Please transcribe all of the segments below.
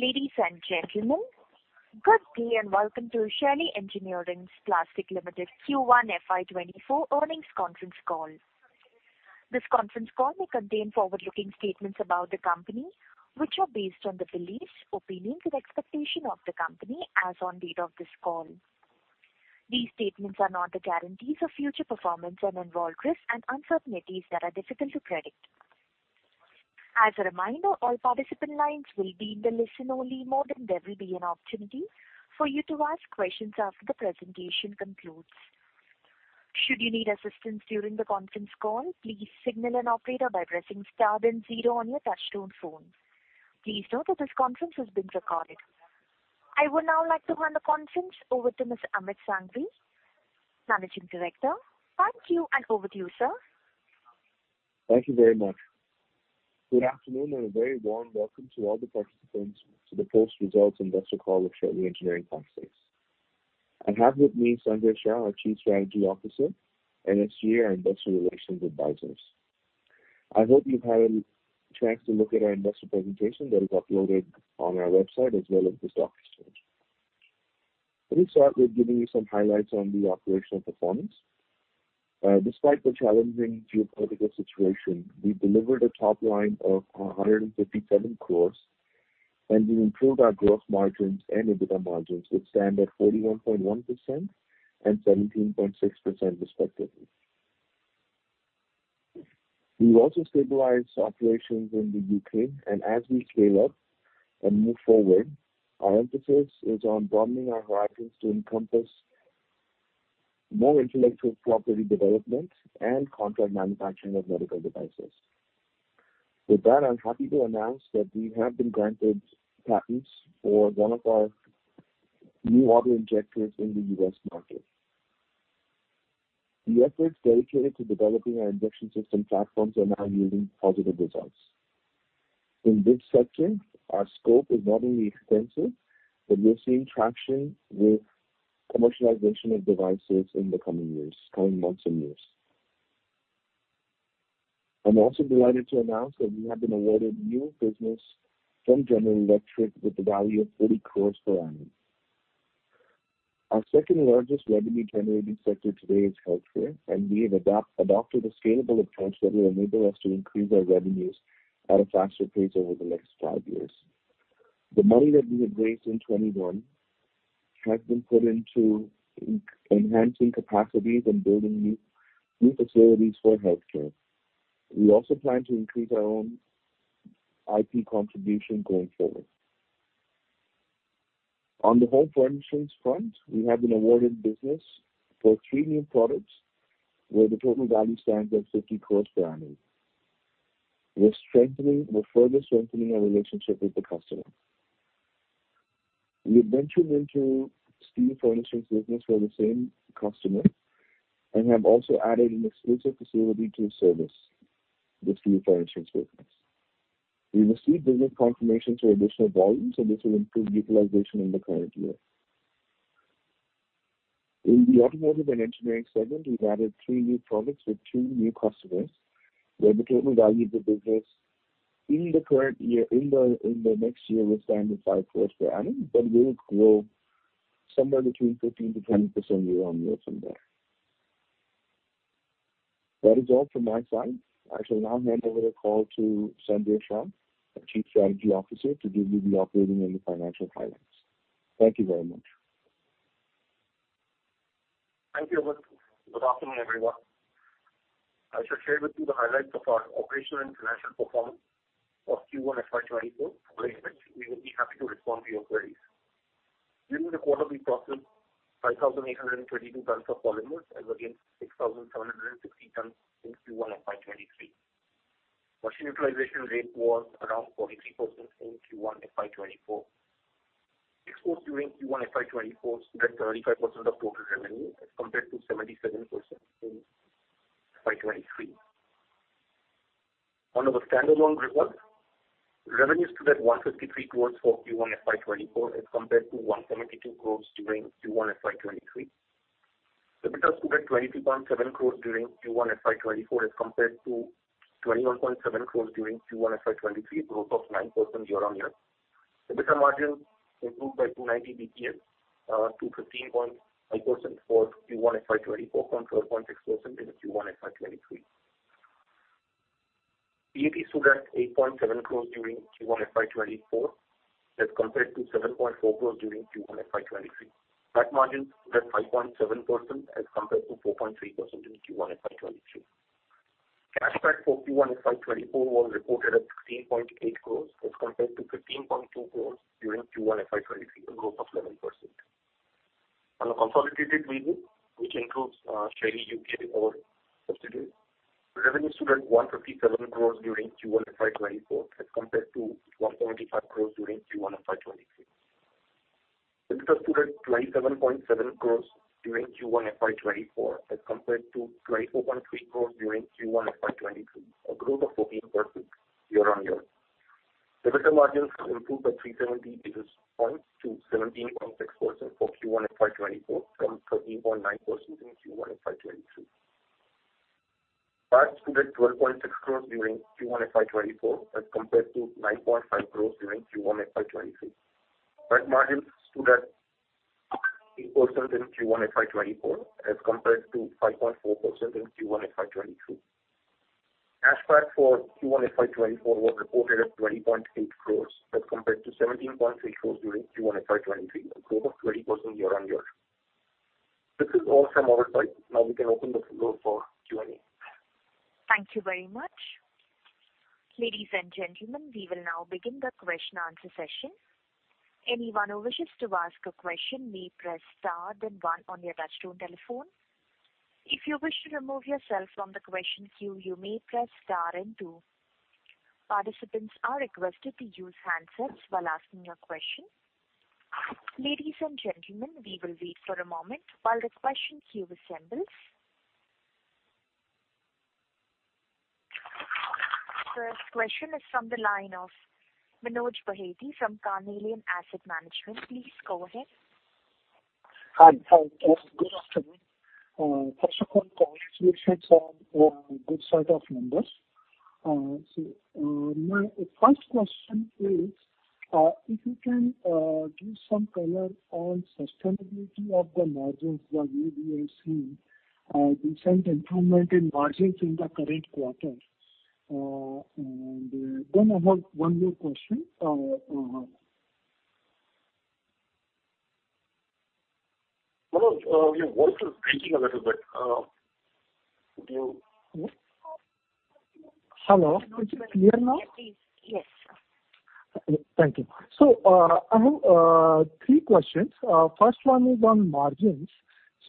Ladies and gentlemen, good day and welcome to Shaily Engineering Plastics Limited Q1 FY 2024 earnings conference call. This conference call may contain forward-looking statements about the company, which are based on the beliefs, opinions, and expectation of the company as on date of this call. These statements are not the guarantees of future performance and involve risks and uncertainties that are difficult to predict. As a reminder, all participant lines will be in the listen-only mode, and there will be an opportunity for you to ask questions after the presentation concludes. Should you need assistance during the conference call, please signal an operator by pressing star then zero on your touchtone phone. Please note that this conference is being recorded. I would now like to hand the conference over to Mr. Amit Sanghvi, Managing Director. Thank you, and over to you, sir. Thank you very much. Good afternoon and a very warm welcome to all the participants to the post-results investor call with Shaily Engineering Plastics. I have with me Sanjay Shah, our Chief Strategy Officer, and SGA, our investor relations advisors. I hope you've had a chance to look at our investor presentation that is uploaded on our website as well as the docs page. Let me start with giving you some highlights on the operational performance. Despite the challenging geopolitical situation, we delivered a top line of 157 crores, and we improved our growth margins and EBITDA margins, which stand at 41.1% and 17.6%, respectively. We've also stabilized operations in the U.K., and as we scale up and move forward, our emphasis is on broadening our horizons to encompass more intellectual property development and contract manufacturing of medical devices. With that, I'm happy to announce that we have been granted patents for one of our new auto-injectors in the U.S. market. The efforts dedicated to developing our injection system platforms are now yielding positive results. In this sector, our scope is not only extensive, but we're seeing traction with commercialization of devices in the coming months and years. I'm also delighted to announce that we have been awarded new business from General Electric with a value of 30 crores per annum. Our second-largest revenue-generating sector today is healthcare, and we have adopted a scalable approach that will enable us to increase our revenues at a faster pace over the next five years. The money that we have raised in 2021 has been put into enhancing capacities and building new facilities for healthcare. We also plan to increase our own IP contribution going forward. On the home furnishings front, we have been awarded business for three new products, where the total value stands at 50 crores per annum. We're further strengthening our relationship with the customer. We have ventured into steel furnishings business for the same customer and have also added an exclusive facility to service the steel furnishings business. We've received business confirmation to additional volumes, and this will improve utilization in the current year. In the automotive and engineering segment, we've added three new products with two new customers, where the total value of the business in the next year will stand at 5 crores per annum, but will grow somewhere between 15%-20% year on year from there. That is all from my side. I shall now hand over the call to Sanjay Shah, our Chief Strategy Officer, to give you the operating and the financial highlights. Thank you very much. Thank you, Amit. Good afternoon, everyone. I shall share with you the highlights of our operational and financial performance of Q1 FY 2024, for which we will be happy to respond to your queries. During the quarter, we processed 5,822 tons of polymers as against 6,760 tons in Q1 FY 2023. Machine utilization rate was around 43% in Q1 FY 2024. Exports during Q1 FY 2024 stood at 35% of total revenue as compared to 77% in FY 2023. On our standalone results, revenues stood at 153 crores for Q1 FY 2024 as compared to 172 crores during Q1 FY 2023. EBITDA stood at 22.7 crores during Q1 FY 2024 as compared to 21.7 crores during Q1 FY 2023, a growth of 9% year-on-year. EBITDA margins improved by 290 basis points to 15.5% for Q1 FY 2024 from 12.6% in Q1 FY 2023. EBIT stood at 8.7 crores during Q1 FY 2024 as compared to 7.4 crores during Q1 FY 2023. Profit margins stood at 5.7% as compared to 4.3% in Q1 FY 2023. Cash PAT for Q1 FY 2024 was reported at 15.8 crores as compared to 15.2 crores during Q1 FY 2023, a growth of 11%. On a consolidated basis, which includes Shaily UK, our subsidiary, revenue stood at 157 crores during Q1 FY 2024 as compared to 175 crores during Q1 FY 2023. EBITDA stood at 27.7 crores during Q1 FY 2024 as compared to 24.3 crores during Q1 FY 2023, a growth of 14% year-on-year. EBITDA margins have improved by 370 basis points to 17.6% for Q1 FY 2024 from 13.9% in Q1 FY 2023. PAT stood at 12.6 crores during Q1 FY 2024 as compared to 9.5 crores during Q1 FY 2023. Gross margins stood at 8% in Q1 FY 2024 as compared to 5.4% in Q1 FY 2023. Cash PAT for Q1 FY 2024 was reported at 20.8 crores as compared to 17.8 crores during Q1 FY 2023, a growth of 20% year-on-year. This is all from our side. Now we can open the floor for Q&A. Thank you very much. Ladies and gentlemen, we will now begin the question answer session. Anyone who wishes to ask a question may press star then one on your touchtone telephone. If you wish to remove yourself from the question queue, you may press star and two. Participants are requested to use handsets while asking your question. Ladies and gentlemen, we will wait for a moment while the question queue assembles. First question is from the line of Manoj Baheti from Carnelian Asset Management. Please go ahead. Hi. Good afternoon. First of all, congratulations on a good set of numbers. My first question is if you can give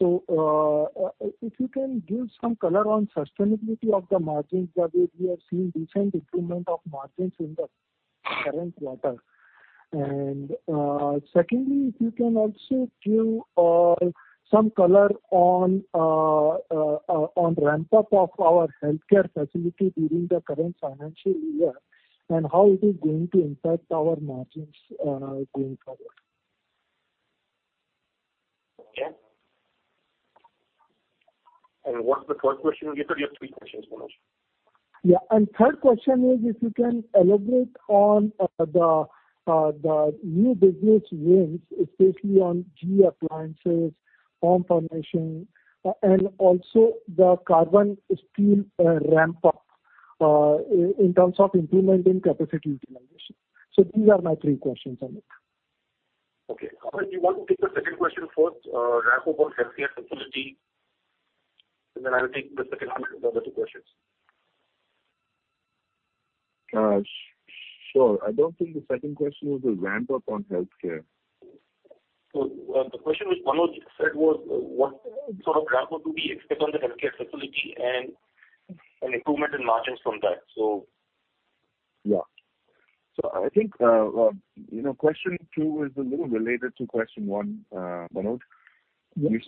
some color on sustainability of the margins that we have seen, recent improvement in margins in the current quarter. Then I have one more question. Manoj, your voice is breaking a little bit. Could you- Hello. Is it clear now? Yes, please. Yes. Thank you. I have three questions. First one is on margins. If you can give some color on sustainability of the margins that we have seen recent improvement of margins in the current quarter. Secondly, if you can also give some color on ramp-up of our healthcare facility during the current financial year, and how it is going to impact our margins going forward. Okay. What's the third question, you said you have three questions, Manoj. Yeah. Third question is if you can elaborate on the new business wins, especially on GE Appliances, home furnishings, and also the carbon steel ramp-up in terms of improvement in capacity utilization. These are my three questions, Amit. Okay. Amit, do you want to take the second question first, ramp-up on healthcare facility, and then I will take the second Amit on the other two questions. Sure. I don't think the second question was a ramp-up on healthcare. The question which Manoj said was what sort of ramp-up do we expect on the healthcare facility and an improvement in margins from that? Yeah. I think question two is a little related to question one, Manoj. Yeah. You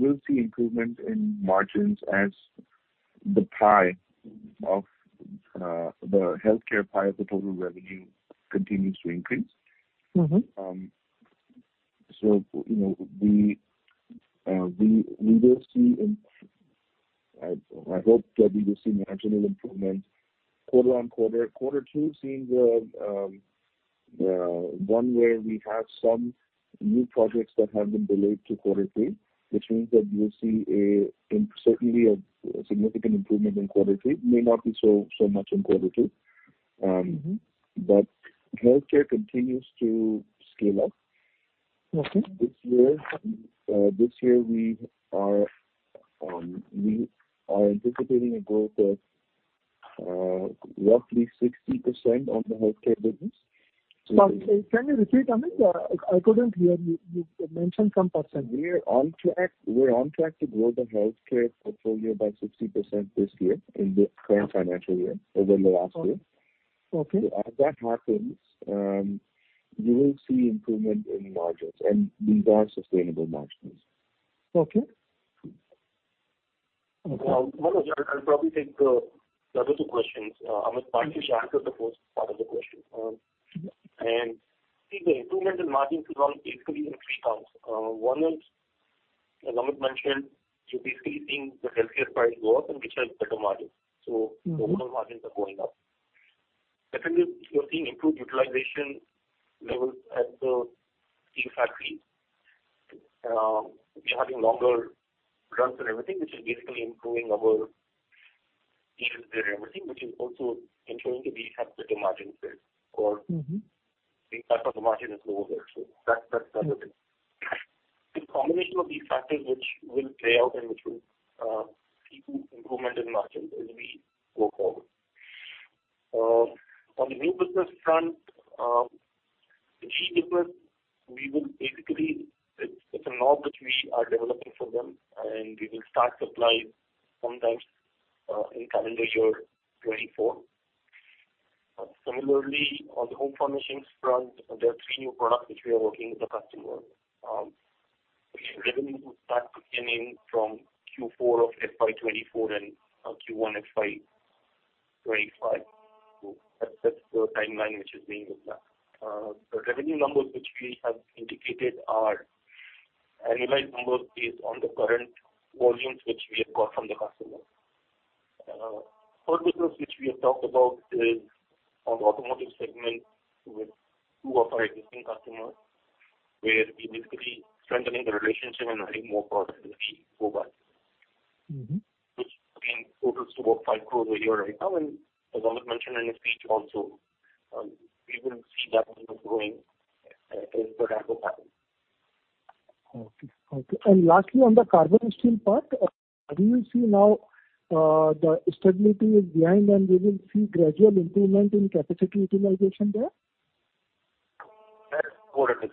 will see improvement in margins as the pie of the healthcare of the total revenue continues to increase. We will see, I hope that we will see marginal improvement quarter-on-quarter. Quarter two seems one where we have some new projects that have been delayed to quarter three, which means that you'll see certainly a significant improvement in quarter three, may not be so much in quarter two. Healthcare continues to scale up. Okay. This year we are anticipating a growth of roughly 60% on the healthcare business. Can you repeat, Amit? I couldn't hear you. You mentioned some percentage. We're on track to grow the healthcare portfolio by 60% this year in the current financial year over last year. Okay. As that happens, you will see improvement in margins, and these are sustainable margins. Okay. Manoj, I'll probably take the other two questions. Amit partially answered the first part of the question. I think the improvement in margins is basically in three parts. One is, as Amit mentioned, you're basically seeing the healthcare pie grow up and which has better margins. Overall margins are going up. Secondly, we are seeing improved utilization levels at the GE factory. We're having longer runs and everything, which is basically improving our yields there and everything, which is also improving the combination of these factors which will play out and which will lead to improvement in margins as we go forward. On the new business front, the GE business, it's a knob which we are developing for them, and we will start supplying sometime in calendar year 2024. Similarly, on the home furnishings front, there are three new products which we are working with the customer, which revenue will start to come in from Q4 of FY 2024 and Q1 FY 2025. That's the timeline which is being looked at. The revenue numbers which we have indicated are annualized numbers based on the current volumes which we have got from the customer. New business which we have talked about is on the automotive segment with two of our existing customers, where we're basically strengthening the relationship and adding more products as we go by. Which is orders to about 5 crores a year right now, as Amit mentioned in his speech also, we will see that number growing as the ramp up happens. Okay. Lastly, on the carbon steel part, do you see now the stability is behind and we will see gradual improvement in capacity utilization there? That's correct.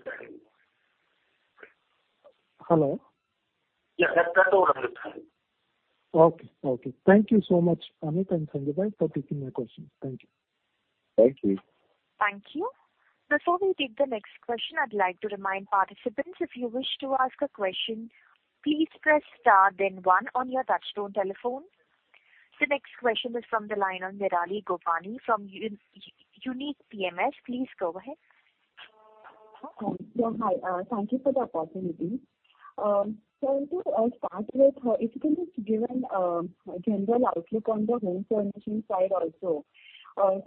Hello. Yes, that's what I'm referring. Okay. Thank you so much, Amit and Sanjeeva, for taking my questions. Thank you. Thank you. Thank you. Before we take the next question, I'd like to remind participants, if you wish to ask a question, please press star then one on your touchtone telephone. The next question is from the line of Nirali Gopani from Unique PMS. Please go ahead. Hi. Thank you for the opportunity. Sir, to start with, if you can just give a general outlook on the home furnishing side also.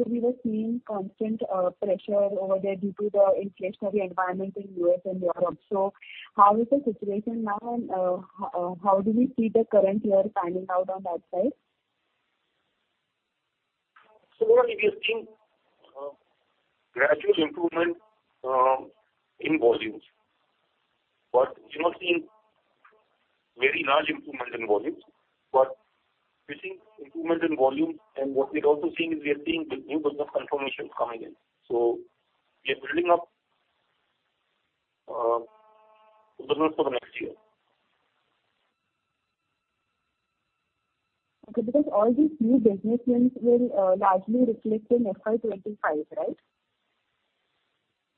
We were seeing constant pressure over there due to the inflationary environment in U.S. and Europe. How is the situation now and how do we see the current year panning out on that side? We are seeing gradual improvement in volumes. We're not seeing very large improvement in volumes. We're seeing improvement in volumes and what we're also seeing is we are seeing new business confirmations coming in. We are building up business for the next year. Okay. Because all these new business wins will largely reflect in FY 2025, right?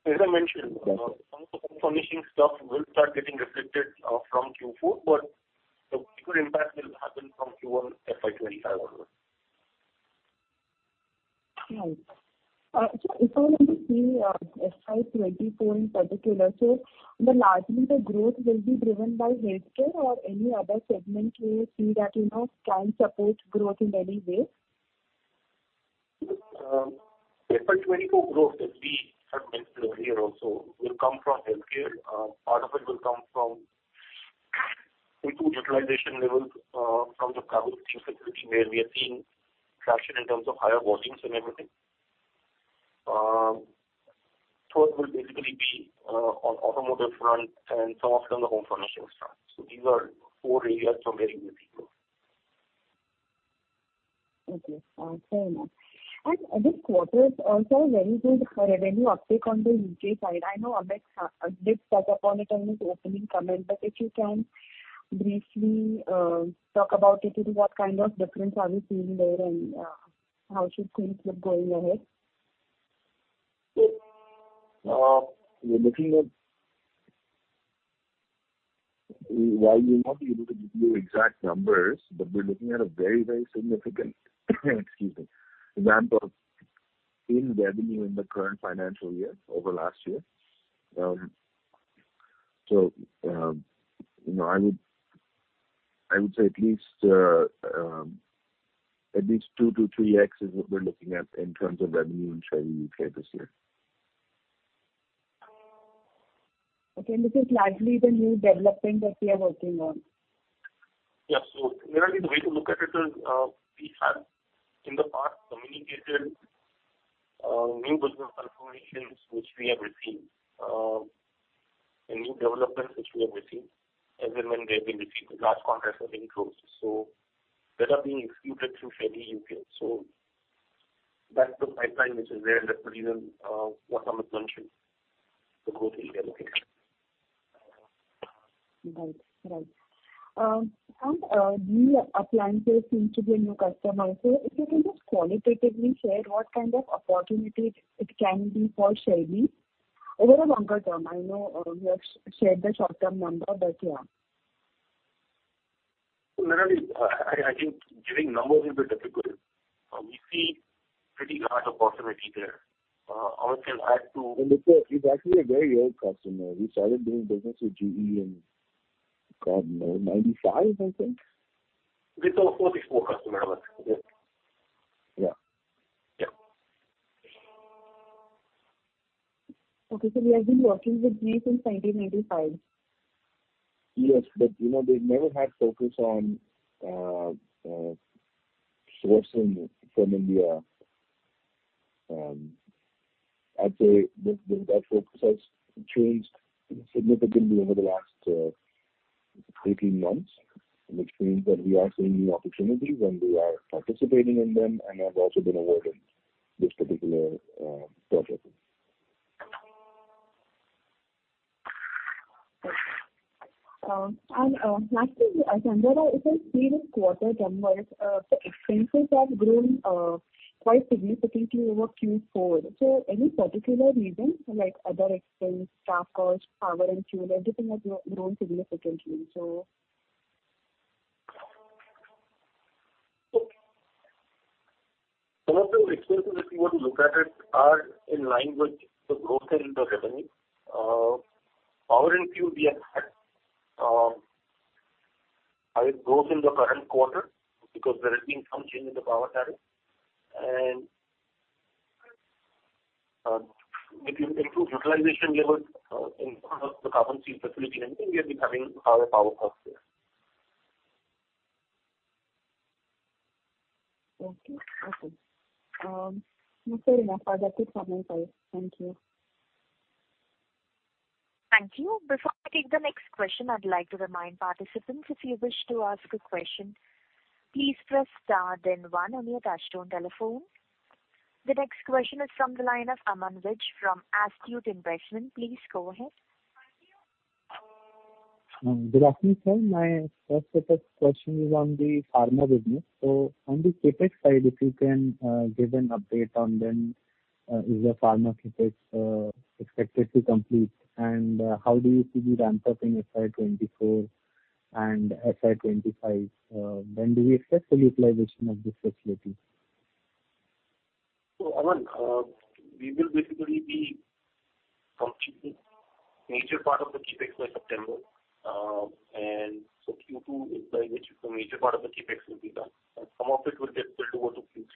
As I mentioned, some of the furnishing stuff will start getting reflected from Q4, but the bigger impact will happen from Q1 FY 2025 onwards. Right. If I want to see FY 2024 in particular, largely the growth will be driven by healthcare or any other segment you see that can support growth in any way? FY 2024 growth, as we have mentioned earlier also, will come from healthcare. Part of it will come from improved utilization levels from the carbon steel segment where we are seeing traction in terms of higher volumes and everything. Third will basically be on automotive front and some of it on the home furnishings front. These are four areas from where we will see growth. Okay. Fair enough. This quarter is also a very good revenue uptick on the U.K. side. I know Amit did touch upon it in his opening comment, but if you can briefly talk about it. What kind of difference are you seeing there and how should things look going ahead? While we're not able to give you exact numbers, we're looking at a very significant ramp-up in revenue in the current financial year over last year. I would say at least 2 to 3x is what we're looking at in terms of revenue in Shaily UK this year. Okay. This is largely the new development that we are working on. Yes, Nirali, the way to look at it is, we have in the past communicated new business confirmations which we have received and new developments which we have received, as and when they've been received, large contracts or win quotes. Those are being executed through Shaily UK. That's the pipeline which is there, that's the reason what Amit mentioned, the growth we are looking at. Right. GE Appliances seems to be a new customer. If you can just qualitatively share what kind of opportunity it can be for Shaily over a longer term. I know you have shared the short-term number, yeah. Nirali, I think giving numbers will be difficult. We see pretty large opportunity there. Amit can add. Look, it's actually a very old customer. We started doing business with GE in, God knows, 1995, I think. It's a 1944 customer, Amit. Yeah. Yeah. Okay, we have been working with GE since 1995. Yes, they've never had focus on sourcing from India. I'd say that focus has changed significantly over the last 18 months, which means that we are seeing new opportunities and we are participating in them and have also been awarded this particular project. Lastly, Sanjeeva, if I see this quarter numbers, the expenses have grown quite significantly over Q4. Any particular reason like other expense, staff cost, power and fuel, everything has grown significantly. Some of the expenses, if you were to look at it, are in line with the growth in the revenue. Power and fuel, we have had a growth in the current quarter because there has been some change in the power tariff. If you improve utilization levels in front of the carbon steel facility in India, we're having higher power costs there. Okay. No further questions from my side. Thank you. Thank you. Before I take the next question, I would like to remind participants if you wish to ask a question, please press star then 1 on your touch-tone telephone. The next question is from the line of Aman Vij from Astute Investment. Please go ahead. Thank you. Good afternoon, sir. My first set of question is on the pharma business. On the CapEx side, if you can give an update on when is the pharma CapEx expected to complete and how do you see the ramp-up in FY 2024 and FY 2025? When do we expect full utilization of this facility? Aman, we will basically be complete major part of the CapEx by September. Q2 is by which the major part of the CapEx will be done. Some of it will get spilled over to Q3,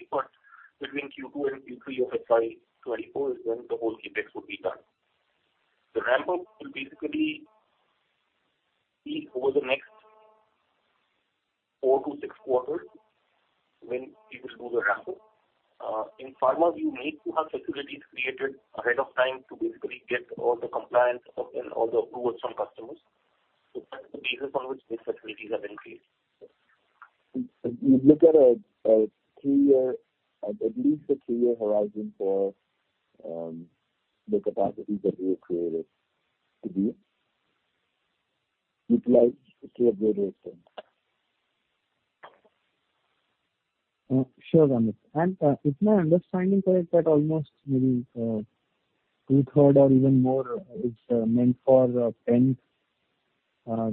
between Q2 and Q3 of FY 2024 is when the whole CapEx will be done. The ramp-up will basically be over the next four to six quarters when we will do the ramp-up. In pharma, you need to have facilities created ahead of time to basically get all the compliance and all the approvals from customers. That's the basis on which these facilities have been created. You look at at least a three-year horizon for the capacities that you have created to be utilized to a greater extent. Sure, Amit. Is my understanding correct that almost maybe two-third or even more is meant for pens,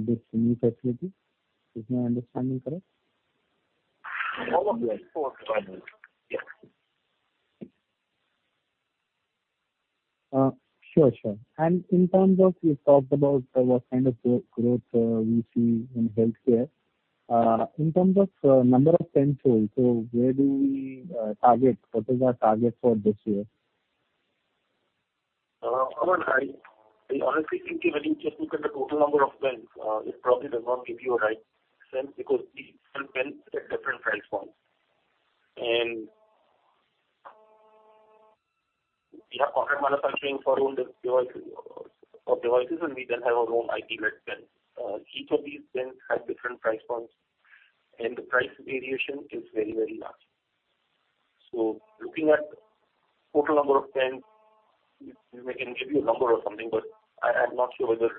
this new facility? Is my understanding correct? All of it for pens. Yes. Sure. You talked about what kind of growth we see in healthcare. In terms of number of pen tools, where do we target? What is our target for this year? Aman, I honestly think if any just look at the total number of pens, it probably does not give you a right sense because these pens are at different price points. We have contract manufacturing for devices, we then have our own IP-led pens. Each of these pens has different price points and the price variation is very large. Looking at total number of pens, I can give you a number or something, but I am not sure whether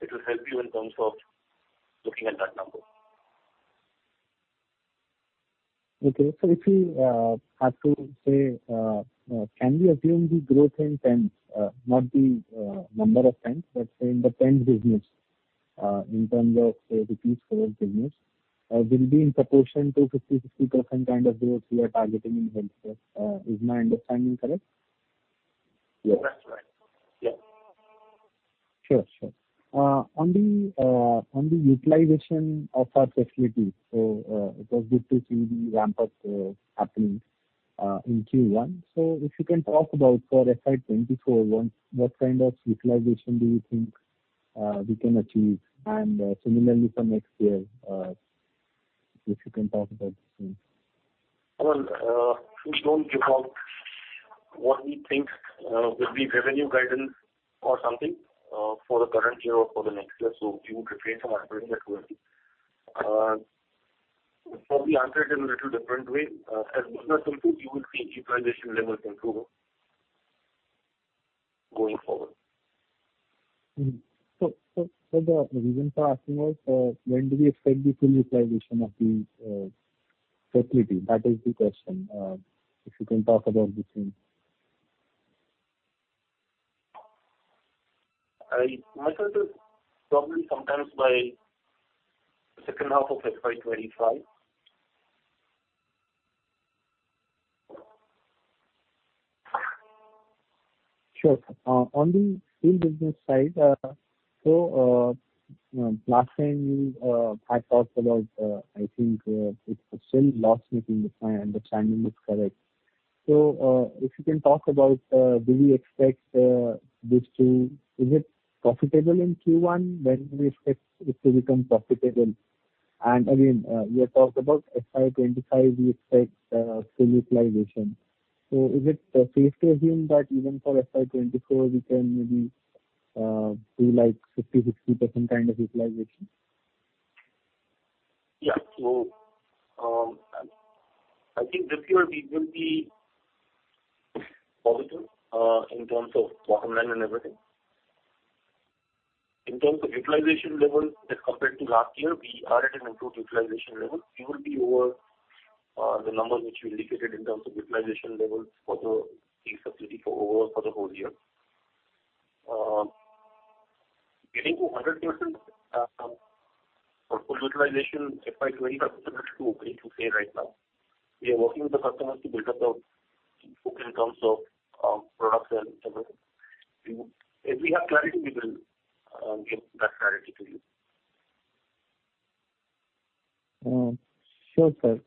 it will help you in terms of looking at that number. Okay. If you have to say, can we assume the growth in pens, not the number of pens, but say in the pens business, in terms of INR for this business, will be in proportion to 50%-60% kind of growth we are targeting in healthcare? Is my understanding correct? Yes, that's right. Yes. Sure. On the utilization of our facilities, it was good to see the ramp-up happening in Q1. If you can talk about for FY 2024, what kind of utilization do you think we can achieve? Similarly for next year, if you can talk about the same. Aman, we don't give out what we think will be revenue guidance or something for the current year or for the next year. You would refrain from interpreting that way. Probably answer it in a little different way. As business improves, you will see utilization levels improve going forward. The reason for asking was when do we expect the full utilization of these facilities? That is the question. If you can talk about the same. My sense is probably sometimes by second half of FY 2025. On the steel business side, last time you had talked about, I think it was still loss-making if my understanding is correct. If you can talk about, Is it profitable in Q1? When do we expect it to become profitable? Again, we have talked about FY 2025, we expect full utilization. Is it safe to assume that even for FY 2024 we can maybe do 50%, 60% kind of utilization? Yeah. I think this year we will be positive in terms of bottom line and everything. In terms of utilization levels as compared to last year, we are at an improved utilization level. We will be over the number which we indicated in terms of utilization levels for the facility for overall for the whole year. Getting to 100% of full utilization FY 2025 is a stretch goal, safe to say right now. We are working with the customers to build up the book in terms of products and so on. If we have clarity, we will give that clarity to you. Sure, sir.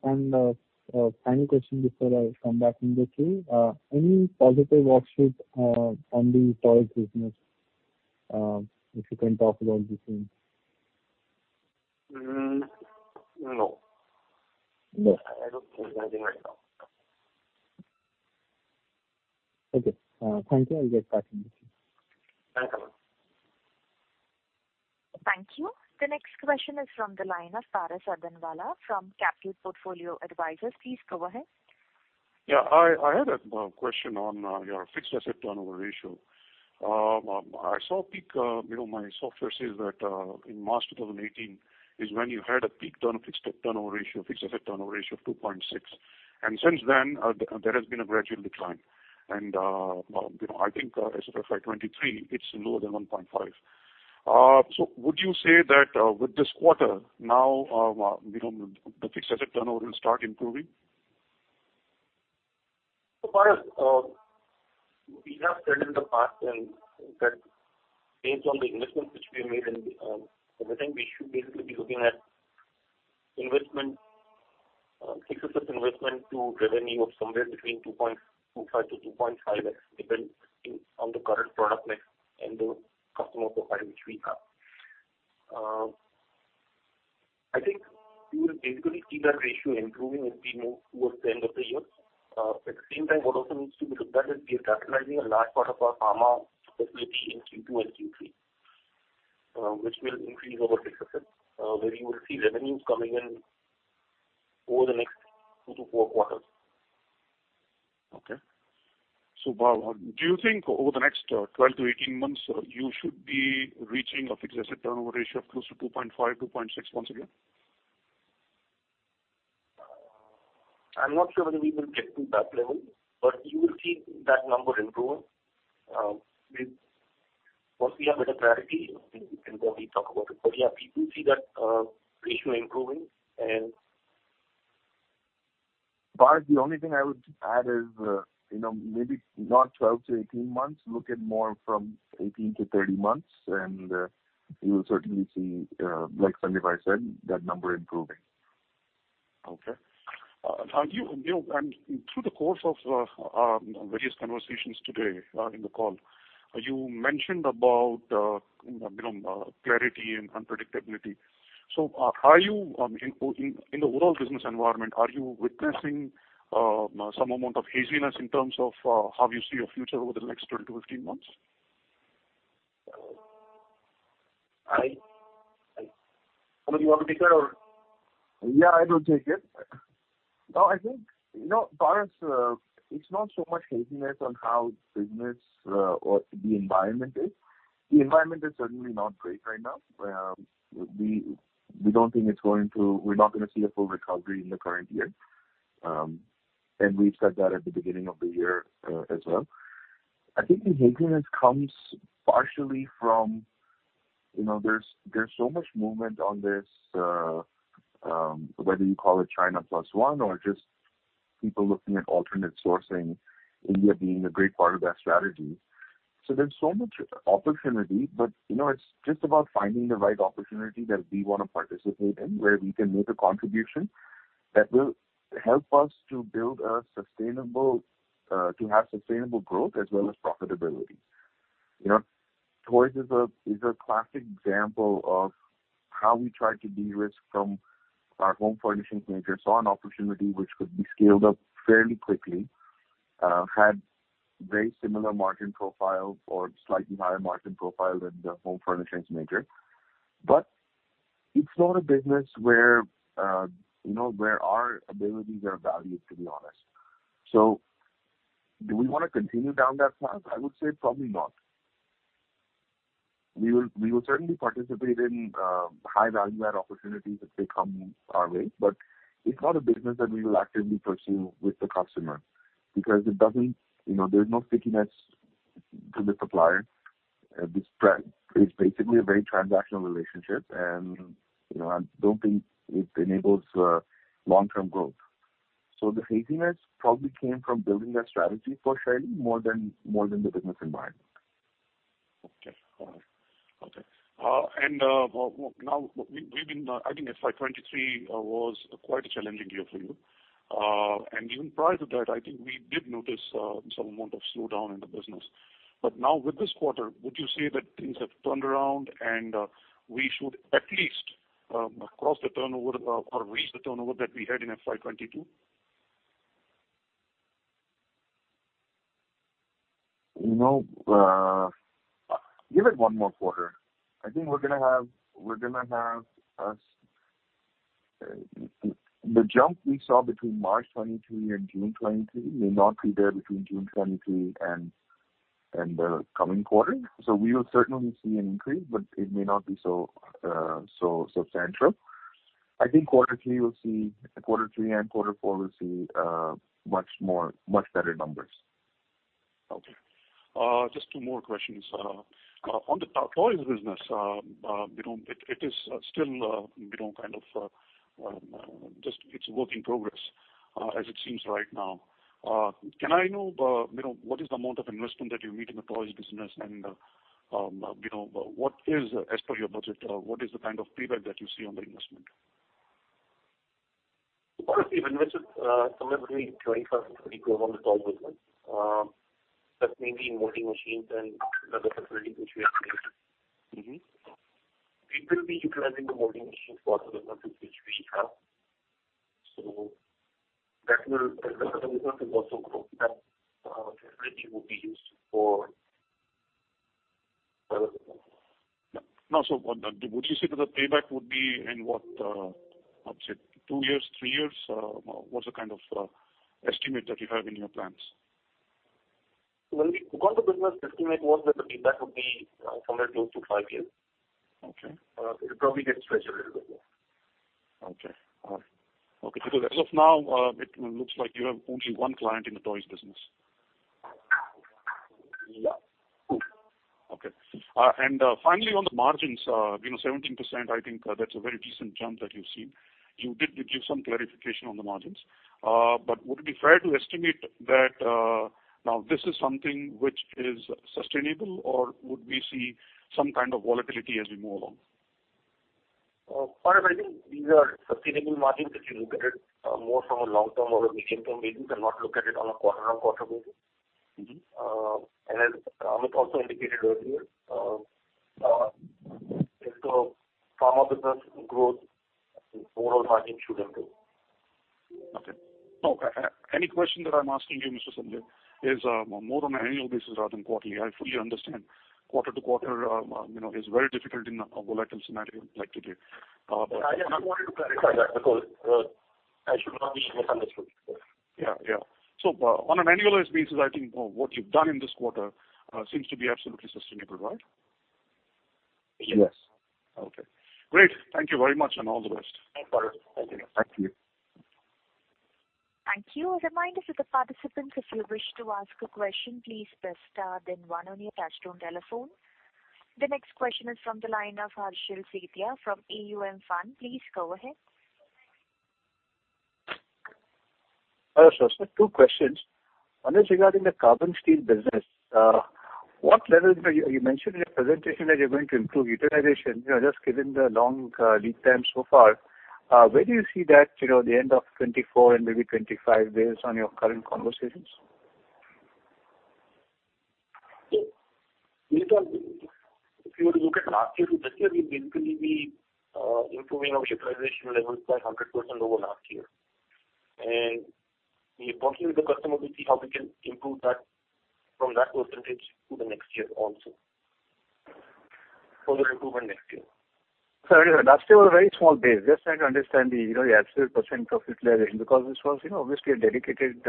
A final question before I come back in the queue. Any positive offshoot on the toys business, if you can talk about the same? No. No. I don't see anything right now. Okay. Thank you. I'll get back in the queue. Welcome. Thank you. The next question is from the line of Paras Advanwala from Capital Portfolio Advisors. Please go ahead. I had a question on your fixed asset turnover ratio. My software says that in March 2018 is when you had a peak fixed asset turnover ratio of 2.6. Since then, there has been a gradual decline. I think as of FY 2023, it's lower than 1.5. Would you say that with this quarter now, the fixed asset turnover will start improving? Paras, we have said in the past then that based on the investments which we made in the business, we should basically be looking at fixed asset investment to revenue of somewhere between 2.25-2.5X, depending on the current product mix and the customer profile which we have. I think you will basically see that ratio improving as we move towards the end of the year. At the same time, what also needs to be looked at is we are capitalizing a large part of our pharma facility in Q2 and Q3 which will increase our fixed asset, where you will see revenues coming in over the next two to four quarters. Okay. Bhav, do you think over the next 12-18 months, you should be reaching a fixed asset turnover ratio of close to 2.5, 2.6 once again? I'm not sure whether we will get to that level, you will see that number improve. Once we have better clarity, I think we can probably talk about it. Yeah, we do see that ratio improving. Paras, the only thing I would add is maybe not 12-18 months. Look at more from 18-30 months, you will certainly see, like Sandeep has said, that number improving. Okay. Through the course of our various conversations today in the call, you mentioned about clarity and unpredictability. In the overall business environment, are you witnessing some amount of haziness in terms of how you see your future over the next 12 to 15 months? Sandeep, you want to take it or? Yeah, I will take it. No, Paras, it's not so much haziness on how business or the environment is. The environment is certainly not great right now. We're not going to see a full recovery in the current year, and we've said that at the beginning of the year as well. I think the haziness comes partially from there's so much movement on this, whether you call it China plus one or just people looking at alternate sourcing, India being a great part of that strategy. There's so much opportunity, but it's just about finding the right opportunity that we want to participate in, where we can make a contribution that will help us to have sustainable growth as well as profitability. Toys is a classic example of how we try to de-risk from our home furnishings major. Saw an opportunity which could be scaled up fairly quickly, had very similar margin profile or slightly higher margin profile than the home furnishings major. It's not a business where our abilities are valued, to be honest. Do we want to continue down that path? I would say probably not. We will certainly participate in high value add opportunities if they come our way, but it's not a business that we will actively pursue with the customer because there's no stickiness to the supplier. It's basically a very transactional relationship, and I don't think it enables long-term growth. The haziness probably came from building that strategy for Shaily more than the business environment. Now, I think FY 2023 was quite a challenging year for you. Even prior to that, I think we did notice some amount of slowdown in the business. Now with this quarter, would you say that things have turned around and we should at least cross the turnover or reach the turnover that we had in FY 2022? No. Give it one more quarter. The jump we saw between March 2023 and June 2023 may not be there between June 2023 and the coming quarter. We will certainly see an increase, but it may not be so substantial. I think quarter three and quarter four will see much better numbers. Okay. Just two more questions. On the toys business, it's a work in progress as it seems right now. Can I know what is the amount of investment that you need in the toys business, and as per your budget, what is the kind of payback that you see on the investment? Far, we've invested somewhere between INR 25 crore-INR 30 crore on the toys business. That's mainly in molding machines and another facility which we have taken. We will be utilizing the molding machines for other purposes which we have. That will address the result is also growth that eventually will be used for further growth. Would you say that the payback would be in what? I would say two years, three years? What's the kind of estimate that you have in your plans? When we got the business, estimate was that the payback would be somewhere close to five years. Okay. It'll probably get stretched a little bit more. Okay. As of now, it looks like you have only one client in the toys business. Yeah. Okay. Finally, on the margins, 17%, I think that's a very decent jump that you've seen. You did give some clarification on the margins. Would it be fair to estimate that now this is something which is sustainable, or would we see some kind of volatility as we move along? I think these are sustainable margins if you look at it more from a long term or a medium term basis and not look at it on a quarter on quarter basis. As Amit also indicated earlier, as the pharma business grows, overall margins should improve. Okay. Any question that I'm asking you, Mr. Sanjay, is more on an annual basis rather than quarterly. I fully understand. Quarter to quarter is very difficult in a volatile scenario like today. I just wanted to clarify that because I should not be misunderstood. Yeah. On an annualized basis, I think what you've done in this quarter seems to be absolutely sustainable, right? Yes. Okay. Great. Thank you very much, and all the best. No problem. Thank you. Thank you. Thank you. A reminder to the participants if you wish to ask a question, please press star then one on your touchtone telephone. The next question is from the line of Harshal Sethia from AUM Fund. Please go ahead. Hello, sir. Two questions. One is regarding the carbon steel business. You mentioned in your presentation that you're going to improve utilization. Just given the long lead time so far, where do you see that the end of 2024 and maybe 2025 based on your current conversations? If you were to look at last year to this year, we've basically been improving our utilization levels by 100% over last year. We are talking with the customer to see how we can improve that from that percentage to the next year also. Further improvement next year. Sorry, last year was a very small base. Just trying to understand the absolute % of utilization, because this was obviously a dedicated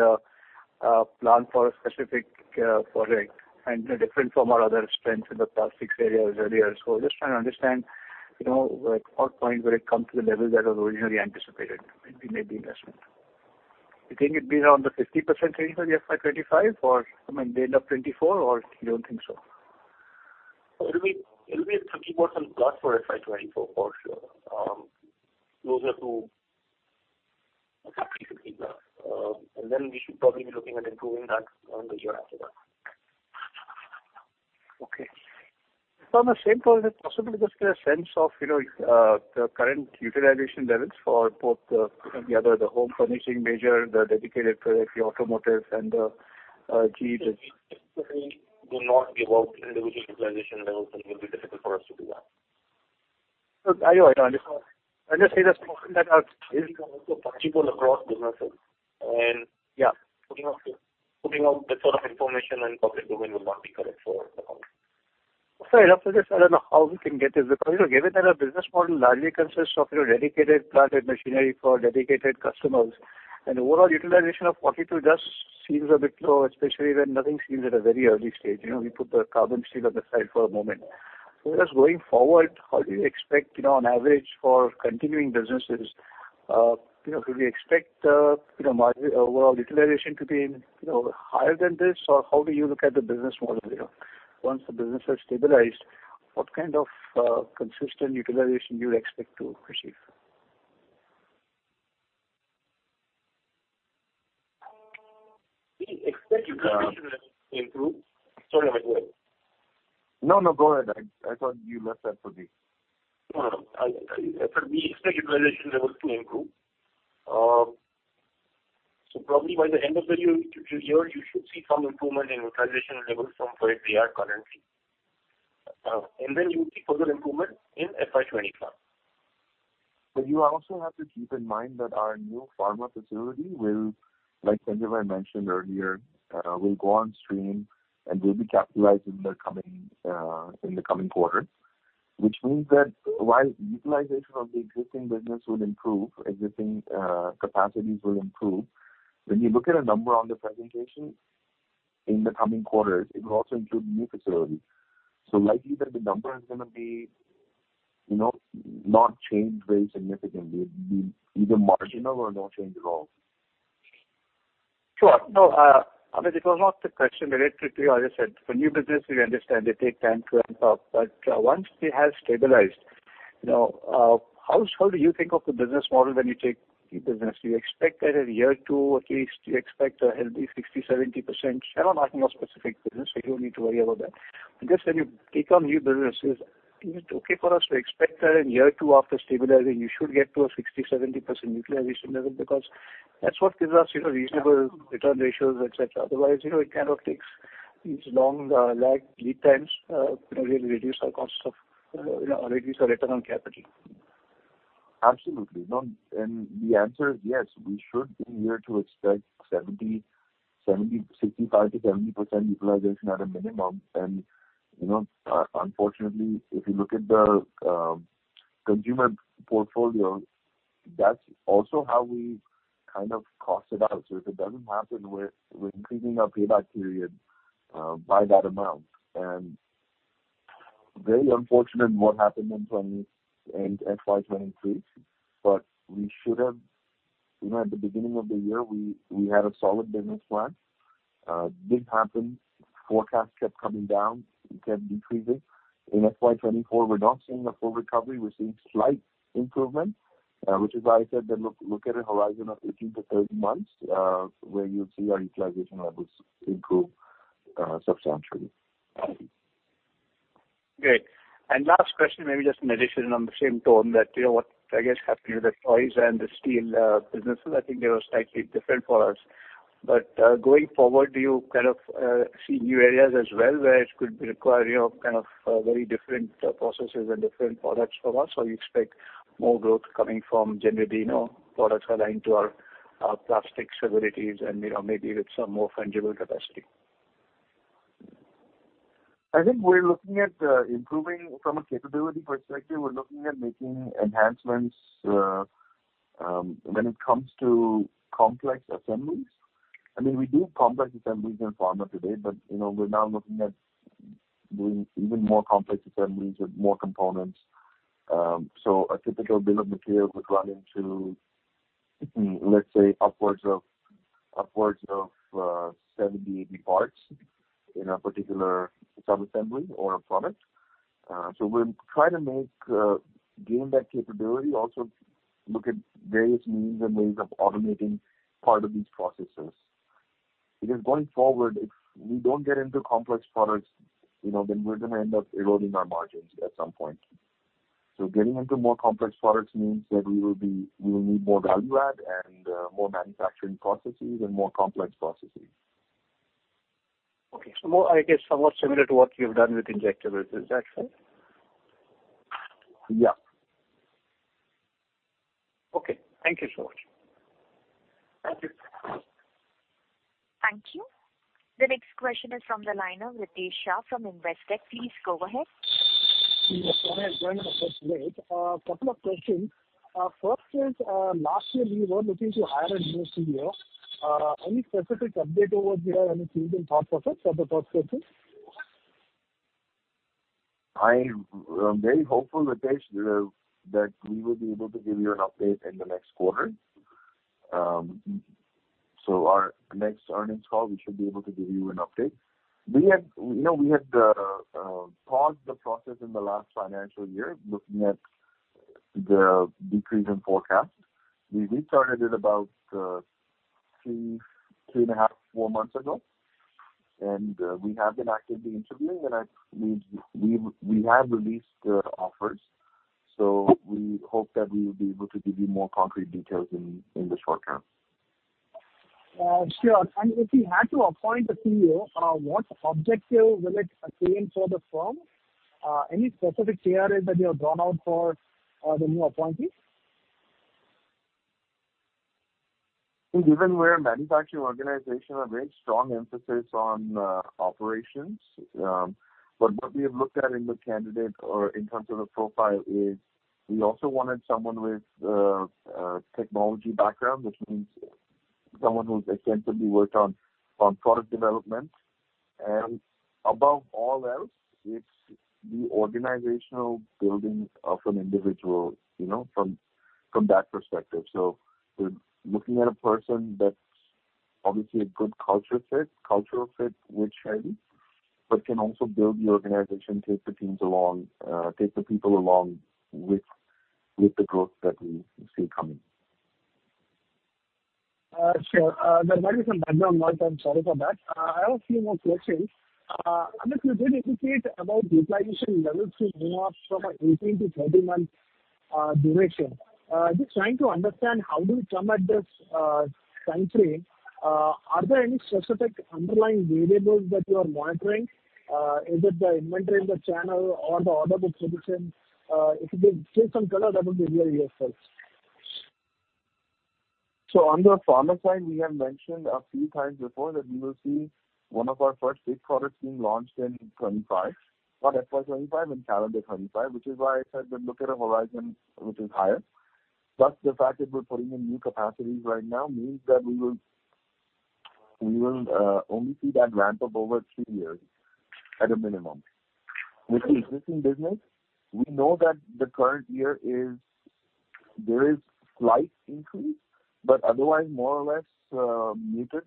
plan for a specific project and different from our other strengths in the plastics area earlier. Just trying to understand what point will it come to the level that was originally anticipated, maybe investment. You think it'd be around the 50% range by FY 2025 or by the end of 2024, or you don't think so? It'll be 30% plus for FY 2024, for sure. Closer to 50%, then we should probably be looking at improving that on the year after that. Okay. On the same call, is it possible to just get a sense of the current utilization levels for both the other, the home furnishing major, the dedicated for the automotive and the GE? We do not give out individual utilization levels, and it will be difficult for us to do that. I know. I understand. I'm just saying that. These are also actionable across businesses. Yeah Putting out this sort of information in public domain will not be correct for the company. Sorry. After this, I don't know how we can get this because given that our business model largely consists of your dedicated plant and machinery for dedicated customers, and overall utilization of 42 just seems a bit low, especially when nothing seems at a very early stage. We put the carbon steel on the side for a moment. Just going forward, how do you expect on average for continuing businesses? Could we expect overall utilization to be higher than this, or how do you look at the business model here? Once the business has stabilized, what kind of consistent utilization do you expect to receive? We expect utilization to improve. Sorry, Amit, go ahead. No, go ahead. I thought you left that for me. No. We expect utilization levels to improve. Probably by the end of the year, you should see some improvement in utilization levels from where they are currently. Then you will see further improvement in FY 2025. You also have to keep in mind that our new pharma facility will, like Sanjay mentioned earlier, will go on stream and will be capitalized in the coming quarter. Which means that while utilization of the existing business will improve, existing capacities will improve. When you look at a number on the presentation In the coming quarters, it will also include new facilities. Likely that the number is going to not change very significantly, be either marginal or no change at all. Sure. No, Amit, it was not the question related to, as I said, for new business, we understand they take time to ramp up. Once they have stabilized, how do you think of the business model when you take new business? Do you expect that in year two at least you expect a healthy 60%-70%? I'm not asking a specific business, so you don't need to worry about that. Just when you take on new businesses, is it okay for us to expect that in year two after stabilizing, you should get to a 60%-70% utilization level because that's what gives us reasonable return ratios, et cetera. Otherwise, it takes these long lead times to really reduce our return on capital. Absolutely. No. The answer is yes, we should in year two expect 65%-70% utilization at a minimum. Unfortunately, if you look at the consumer portfolio, that's also how we cost it out. If it doesn't happen, we're increasing our payback period by that amount. Very unfortunate what happened in FY 2023. At the beginning of the year, we had a solid business plan. Didn't happen. Forecast kept coming down. It kept decreasing. In FY 2024, we're not seeing a full recovery. We're seeing slight improvement, which is why I said that look at a horizon of 18-30 months, where you'll see our utilization levels improve substantially. Great. Last question, maybe just an addition on the same tone that, what I guess happened with the toys and the steel businesses, I think they were slightly different for us. Going forward, do you see new areas as well where it could require very different processes and different products from us, or you expect more growth coming from generally products aligned to our plastics facilities and maybe with some more fungible capacity? I think from a capability perspective, we're looking at making enhancements when it comes to complex assemblies. We do complex assemblies in pharma today, we're now looking at doing even more complex assemblies with more components. A typical bill of material could run into, let's say, upwards of 70, 80 parts in a particular sub-assembly or a product. We'll try to gain that capability. Also look at various means and ways of automating part of these processes. Going forward, if we don't get into complex products, then we're going to end up eroding our margins at some point. Getting into more complex products means that we will need more value add and more manufacturing processes and more complex processes. Okay. I guess somewhat similar to what you have done with injectable. Is that fair? Yeah. Okay. Thank you so much. Thank you. Thank you. The next question is from the line of Ritesh Shah from Investec. Please go ahead. Ritesh, going on the first leg. A couple of questions. First is, last year, we were looking to hire a new CEO. Any specific update over here? Anything in thought process or the thought process? I am very hopeful, Ritesh, that we will be able to give you an update in the next quarter. Our next earnings call, we should be able to give you an update. We had paused the process in the last financial year, looking at the decrease in forecast. We restarted it about three and a half, four months ago. We have been actively interviewing, and we have released offers. We hope that we will be able to give you more concrete details in the short term. Sure. If you had to appoint a CEO, what objective will it attain for the firm? Any specific KRAs that you have drawn out for the new appointee? Given we're a manufacturing organization, a very strong emphasis on operations. What we have looked at in the candidate or in terms of the profile is we also wanted someone with a technology background, which means someone who's extensively worked on product development. Above all else, it's the organizational building of an individual, from that perspective. We're looking at a person that's obviously a good cultural fit with Shaily, but can also build the organization, take the people along with the growth that we see coming. Sure. There might be some background noise there, sorry for that. I have a few more questions. Amit, you did indicate about utilization levels from an 18 to 30-month duration. Just trying to understand how do you come at this timeframe? Are there any specific underlying variables that you are monitoring? Is it the inventory in the channel or the order book position? If you could shed some color, that would be really useful. On the pharma side, we have mentioned a few times before that we will see one of our first big products being launched in 2025. Not FY 2025, in calendar 2025, which is why I said that look at a horizon which is higher. Plus the fact that we're putting in new capacities right now means that we will only see that ramp up over three years at a minimum. With the existing business, we know that the current year there is slight increase, but otherwise more or less muted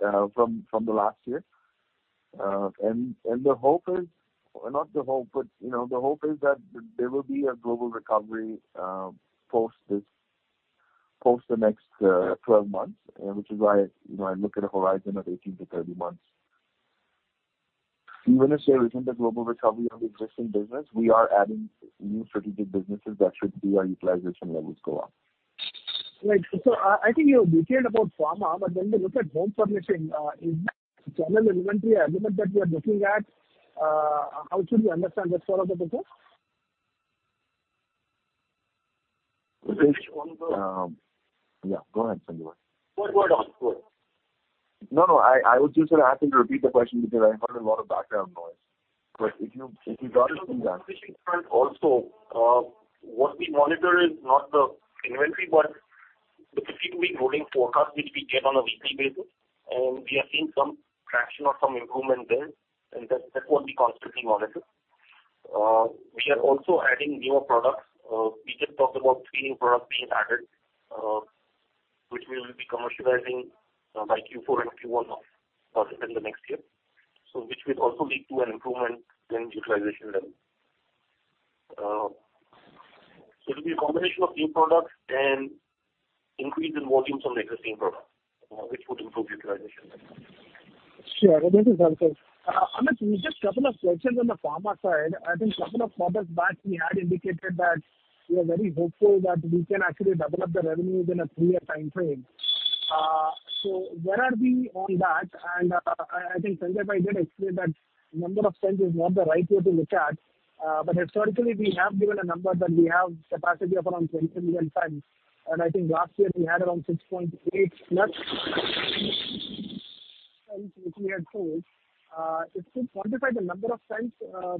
from the last year. The hope is that there will be a global recovery post the next 12 months, which is why I look at a horizon of 18-30 months. Even if there isn't a global recovery of existing business, we are adding new strategic businesses that should be our utilization levels go up. Right. I think you have detailed about pharma, when we look at home furnishing, is that channel inventory element that you are looking at, how should we understand this part of the business? Yeah, go ahead, Sanjay. What about? No, I was just going to ask him to repeat the question because I heard a lot of background noise. If you got it, please answer. Also, what we monitor is not the inventory, but the 52-week rolling forecast, which we get on a weekly basis. We are seeing some traction or some improvement there, and that's what we constantly monitor. We are also adding newer products. We just talked about three new products being added, which we will be commercializing by Q4 and Q1 in the next year. Which will also lead to an improvement in utilization level. It will be a combination of new products and increase in volumes on the existing product, which would improve utilization. Sure. This is helpful. Amit, we just couple of questions on the pharma side. I think couple of quarters back we had indicated that we are very hopeful that we can actually develop the revenues in a three-year timeframe. Where are we on that? I think Sanjay did explain that number of pens is not the right way to look at. Historically we have given a number that we have capacity of around 20 million pens, and I think last year we had around 6.8 plus which we had sold. If we quantify the number of pens,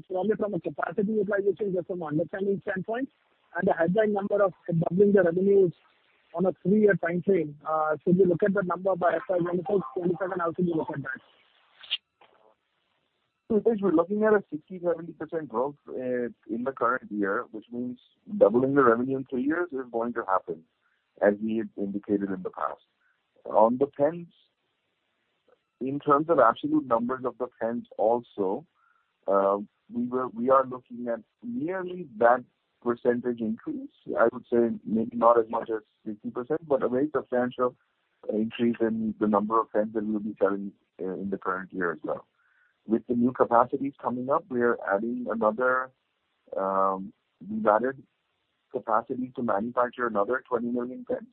probably from a capacity utilization just from understanding standpoint and a headline number of doubling the revenues on a three-year timeframe. Should we look at that number by FY 2024, 2027? How can you look at that? We are looking at a 60%-70% growth in the current year, which means doubling the revenue in three years is going to happen, as we had indicated in the past. On the pens, in terms of absolute numbers of the pens also, we are looking at nearly that percentage increase. I would say maybe not as much as 60%, but a very substantial increase in the number of pens that we will be selling in the current year as well. With the new capacities coming up, we have added capacity to manufacture another 20 million pens.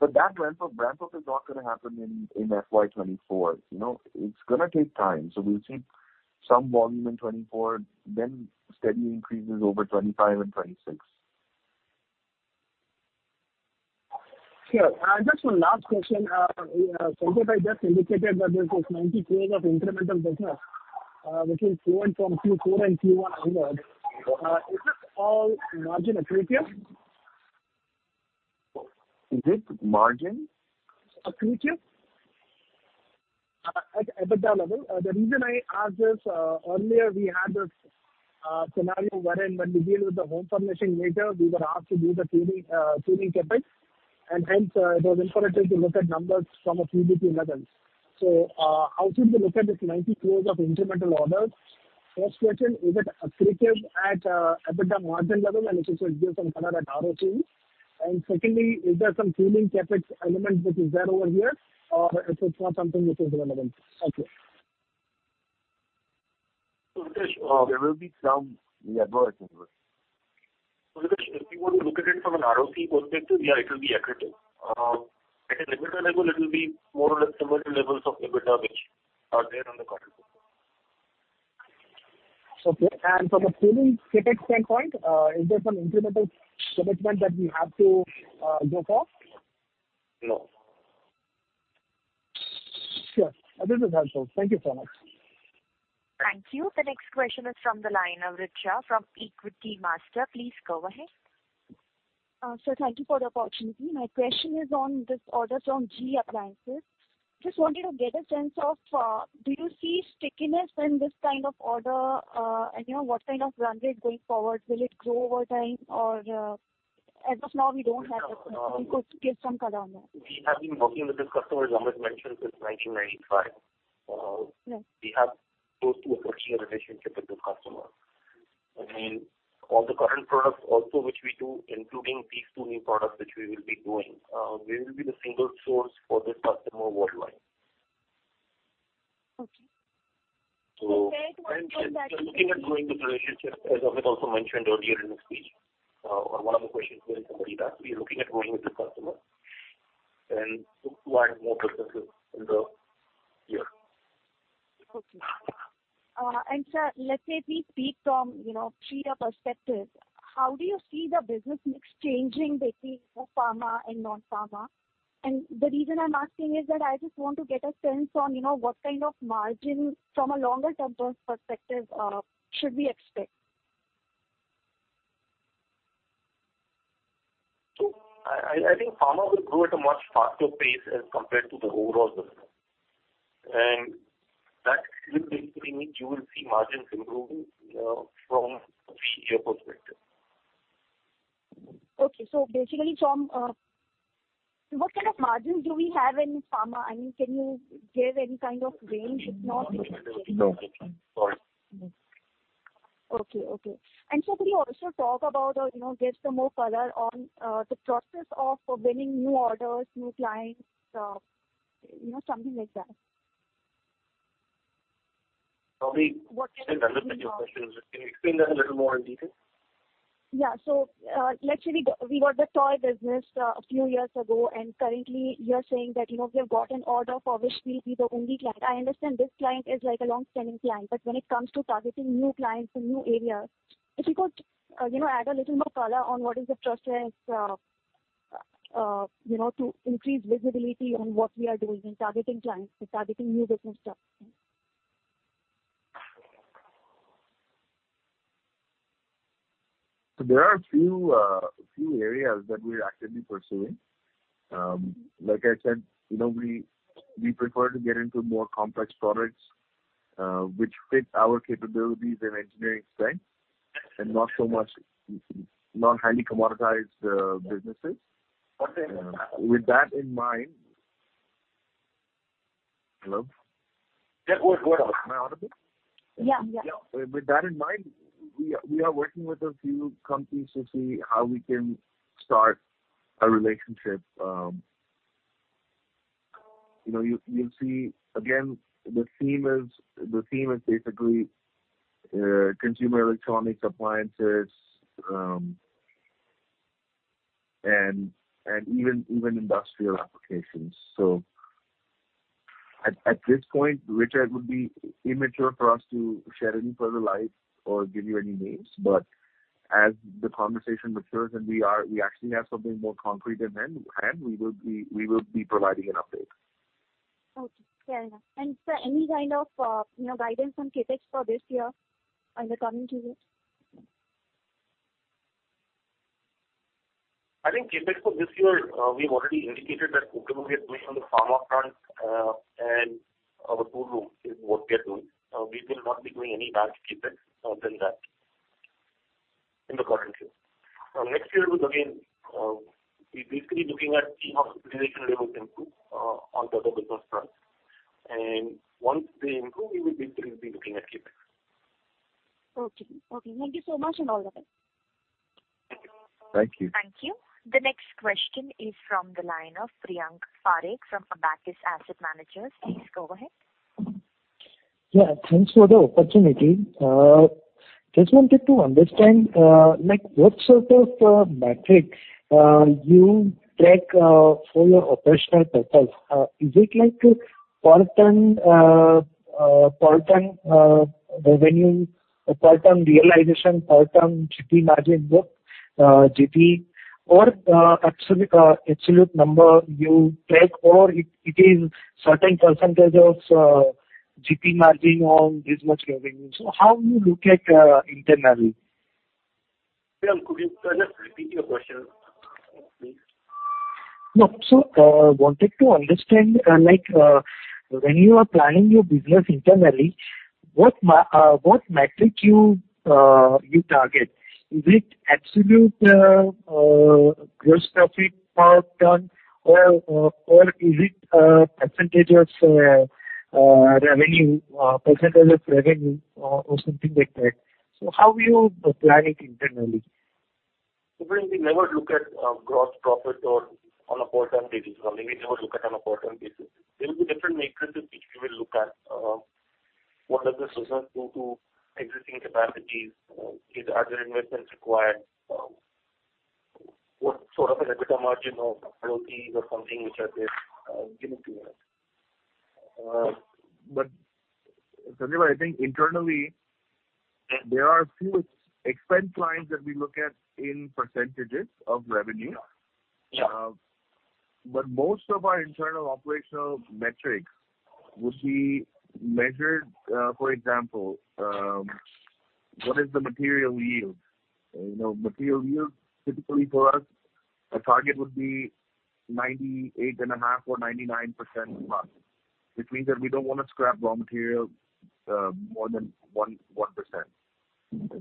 That ramp up is not going to happen in FY 2024. It is going to take time. We will see some volume in 2024, then steady increases over 2025 and 2026. Sure. Just one last question. Sanjay just indicated that there is this 90 crore of incremental business, which is flowing from Q4 and Q1 onward. Is this all margin accretive? Is it margin? Accretive? At the top level. The reason I ask this, earlier we had this scenario wherein when we deal with the home furnishing major, we were asked to do the tooling CapEx, and hence it was imperative to look at numbers from a PBT level. How should we look at this 90 crores of incremental orders? First question, is it accretive at EBITDA margin level? It should give some color at ROC. Secondly, is there some tooling CapEx element which is there over here? Or if it's not something which is relevant? Okay. There will be some. Yeah, go ahead, Sanjay. If you want to look at it from an ROC perspective, yeah, it will be accretive. At an EBITDA level, it will be more or less similar to levels of EBITDA which are there on the current book. Okay. From a tooling CapEx standpoint, is there some incremental commitment that we have to go for? No. Sure. This is helpful. Thank you so much. Thank you. The next question is from the line of Richa from Equitymaster. Please go ahead. Sir, thank you for the opportunity. My question is on this orders from GE Appliances. Just wanted to get a sense of, do you see stickiness in this kind of order? What kind of run rate going forward? Will it grow over time? As of now, could give some color on that. We have been working with this customer, as Amit mentioned, since 1995. Yes. We have close to a 30-year relationship with this customer. All the current products also, which we do, including these two new products which we will be doing, we will be the single source for this customer worldwide. Okay. We're looking at growing the relationship, as Amit also mentioned earlier in his speech. On one of the questions where somebody asked, we are looking at growing with the customer and to add more businesses in the year. Okay. Sir, let's say we speak from, three-year perspective. How do you see the business mix changing between both pharma and non-pharma? The reason I'm asking is that I just want to get a sense on what kind of margin from a longer-term growth perspective should we expect. I think pharma will grow at a much faster pace as compared to the overall business. That will basically mean you will see margins improving from a fiscal year perspective. Okay. What kind of margins do we have in pharma? Can you give any kind of range, if not? No. Okay. Sir, could you also talk about or give some more color on the process of winning new orders, new clients, something like that. Sorry. What kind of- I didn't understand the question. Can you explain that a little more in detail? Yeah. Let's say we got the toy business a few years ago, and currently you're saying that we have got an order for which we'll be the only client. I understand this client is a long-standing client. When it comes to targeting new clients in new areas, if you could add a little more color on what is the process to increase visibility on what we are doing in targeting clients, in targeting new business targets. There are a few areas that we're actively pursuing. Like I said, we prefer to get into more complex products, which fit our capabilities and engineering strength, and not so much non-highly commoditized businesses. What then With that in mind Hello? Yeah. Go ahead. Am I audible? Yeah. With that in mind, we are working with a few companies to see how we can start a relationship. You'll see, again, the theme is basically consumer electronics, appliances, and even industrial applications. At this point, Richa, it would be immature for us to shed any further light or give you any names. As the conversation matures and we actually have something more concrete in hand, we will be providing an update. Okay, fair enough. Sir, any kind of guidance on CapEx for this year and the coming years? I think CapEx for this year, we've already indicated that whatever we are doing on the pharma front and our tool room is what we are doing. We will not be doing any large CapEx other than that in the current year. Next year, we'll again be basically looking at how utilization levels improve on the automobile front. Once they improve, we will basically be looking at CapEx. Okay. Thank you so much, and all the best. Thank you. Thank you. The next question is from the line of Priyank Parekh from Abacus Asset Management. Please go ahead. Yeah, thanks for the opportunity. Just wanted to understand what sort of metrics you take for your operational purpose. Is it like per ton revenue, per ton realization, per ton GP margin, both GP or absolute number you take, or it is certain percentage of GP margin on this much revenue? How you look at internally? Priyank, could you just repeat your question please? No. Wanted to understand, when you are planning your business internally, what metric you target? Is it absolute gross profit per ton or is it percentage of revenue or something like that? How you plan it internally? Priyank, we never look at gross profit on a per ton basis or anything. We never look at it on a per ton basis. There will be different matrices which we will look at. What are the resource pool to existing capacities? Are there investments required? What sort of an EBITDA margin of ROEs or something which are there given to you? Sanjeeva, I think internally, there are a few expense lines that we look at in % of revenue. Yeah. Most of our internal operational metrics would be measured, for example, what is the material yield? Material yield, typically for us, a target would be 98.5% or 99% plus, which means that we don't want to scrap raw material more than 1%.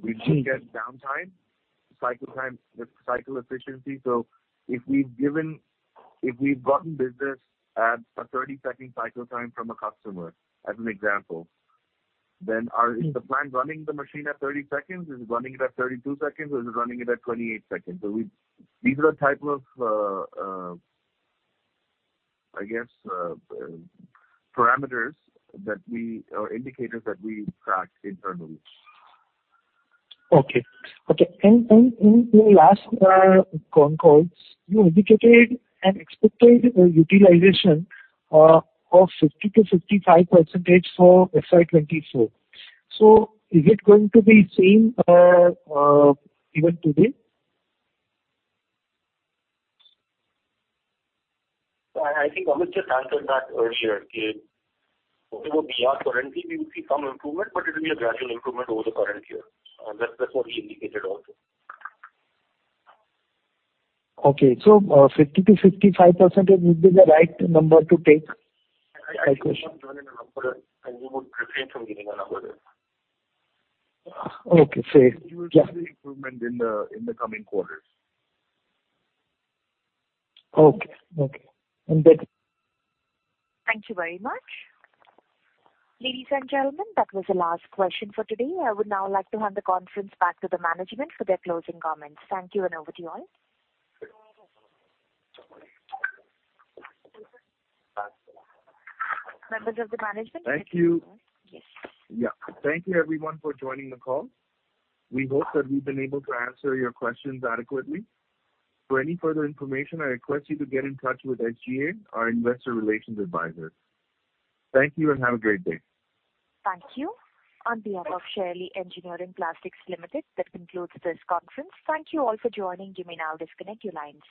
We look at downtime, cycle time, cycle efficiency. If we've gotten business at a 30-second cycle time from a customer, as an example, then is the plant running the machine at 30 seconds? Is it running it at 32 seconds or is it running it at 28 seconds? These are the type of, I guess, parameters or indicators that we track internally. Okay. In your last con calls, you indicated an expected utilization of 50%-55% for FY 2024. Is it going to be same even today? I think Amit just answered that earlier, that whatever we are currently, we will see some improvement, but it will be a gradual improvement over the current year. That's what we indicated also. Okay. 50%-55% would be the right number to take? I think we won't join in a number, we would refrain from giving a number there. Okay, fair. Yeah. You will see the improvement in the coming quarters. Okay. Thank you. Thank you very much. Ladies and gentlemen, that was the last question for today. I would now like to hand the conference back to the management for their closing comments. Thank you, and over to you all. Members of the management. Thank you. Yes. Yeah. Thank you everyone for joining the call. We hope that we've been able to answer your questions adequately. For any further information, I request you to get in touch with SGA, our investor relations advisor. Thank you and have a great day. Thank you. On behalf of Shaily Engineering Plastics Limited, that concludes this conference. Thank you all for joining. You may now disconnect your lines.